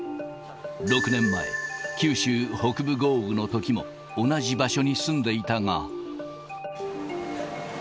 ６年前、九州北部豪雨のときも、同じ場所に住んでいたが。